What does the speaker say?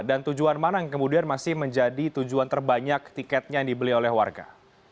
dan tujuan mana yang kemudian masih menjadi tujuan terbanyak tiketnya dibeli oleh warga